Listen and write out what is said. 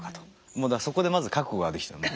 もうだからそこでまず覚悟ができたので。